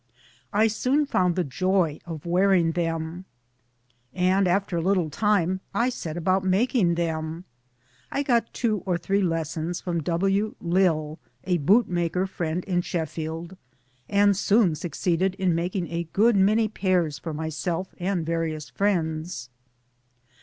I soon found the joy of wearing them. And after a little time I set about making them. I got two or three lessons from' W. Lill, a bootmaker friend in Sheffield, and soon succeeded in making a good many pairs for myself and various friends.